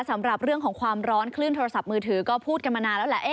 สำหรับเรื่องของความร้อนคลื่นโทรศัพท์มือถือก็พูดกันมานานแล้วแหละ